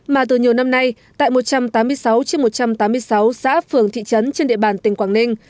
mà từ nhiều năm nay tại một trăm tám mươi sáu trên một trăm tám mươi sáu xã phường thị trấn trên địa bàn tỉnh quảng ninh